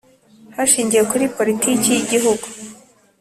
Hashingiwe kuri politiki y Igihugu